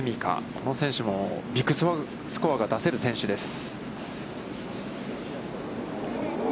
この選手もビッグスコアが出せる選手です。